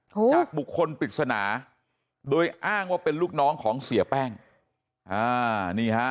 จากบุคคลปริศนาโดยอ้างว่าเป็นลูกน้องของเสียแป้งอ่านี่ฮะ